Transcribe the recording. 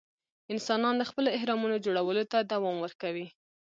انسانان د خپلو اهرامونو جوړولو ته دوام ورکوي.